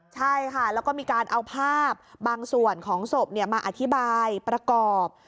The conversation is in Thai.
ใช่ค่ะแล้วก็มีการเอาภาพบางส่วนของศพมาอธิบายประกอบ